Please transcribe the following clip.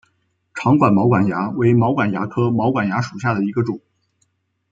长管毛管蚜为毛管蚜科毛管蚜属下的一个种。